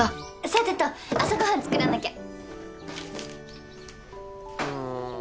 さてと朝ご飯作らなきゃ。